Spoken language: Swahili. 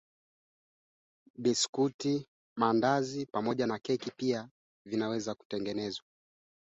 Bunge lilisema katika taarifa yake kwamba ni malori sita tu kati ya kumi ya zimamoto